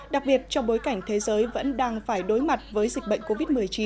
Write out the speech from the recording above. đặc biệt trong bối cảnh thế giới vẫn đang phải đối mặt với dịch bệnh covid một mươi chín